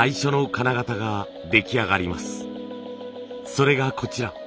それがこちら。